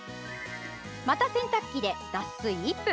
また洗濯機で脱水１分。